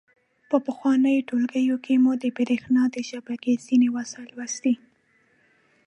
په پخوانیو ټولګیو کې مو د برېښنا د شبکې ځینې وسایل لوستي.